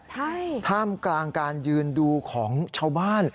ใช่ท่ามกลางการยืนดูของชาวบ้าน